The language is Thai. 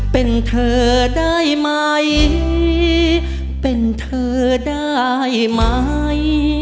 เป็นเธอได้ไหมเป็นเธอได้ไหม